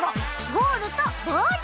ゴールとボール。